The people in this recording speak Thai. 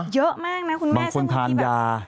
เยอะมากนะคุณแม่บางคนทานยา